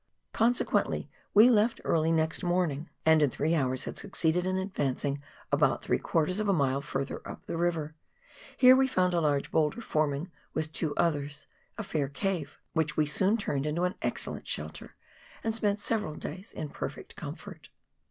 Consequently we left early next morning, and COOK RIVER — MAIN BRANCH, 137 in three hours had succeeded in advancing about three quarters of a mile further up the river ; here we found a large boulder forming, with two others, a fair cave, which we soon turned into an excellent shelter, and spent several wet days in perfect comfort.